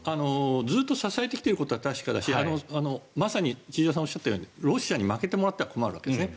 ずっと支えてきていることは確かだしまさに千々岩さんがおっしゃったようにロシアに負けてもらっては困るわけですね。